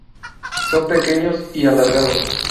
Son pequeños y alargados.